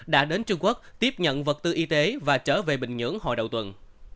đã đến trung quốc tiếp nhận vật tư y tế và trở về bình nhưỡng hồi đầu tuần